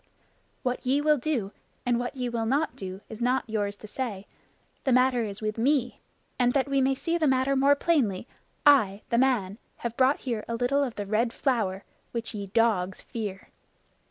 What ye will do, and what ye will not do, is not yours to say. That matter is with me; and that we may see the matter more plainly, I, the man, have brought here a little of the Red Flower which ye, dogs, fear."